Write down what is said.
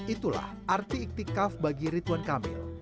itulah arti iktikaf bagi ridwan kamil